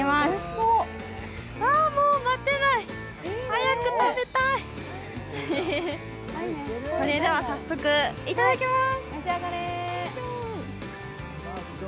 それでは、さっそくいただきます。